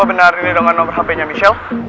apa benar ini dong kan nomer hpnya michelle